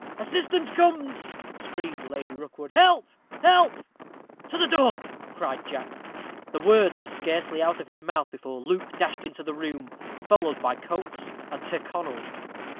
"Assistance comes," screamed Lady Rookwood. "Help! help!" "To the door!" cried Jack. The words were scarcely out of his mouth before Luke dashed into the room, followed by Coates and Tyrconnel.